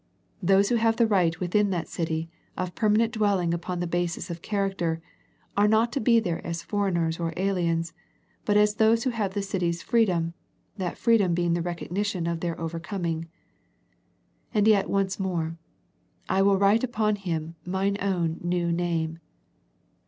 Those who have the right within that city, of permanent dwelling upon the basis of character, are not to be there as foreigners or aliens, but as those who have the city's free dom, that freedom being the recognition of their overcoming. And yet once more, " I will write upon him ... Mine own new name."